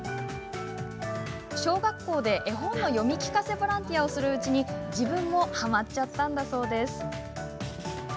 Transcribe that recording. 小学校で絵本の読み聞かせボランティアをするうちに自分もはまっちゃったんだそうです。